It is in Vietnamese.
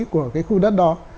của cái khu đất đó